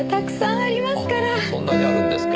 あそんなにあるんですか。